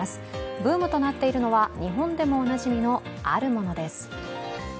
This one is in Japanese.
ブームとなっているのは日本でもおなじみの、あるものです。